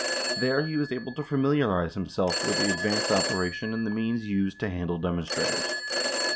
19 There he was able to familiarize himself with the advance operation and the means used to handle demonstratrators.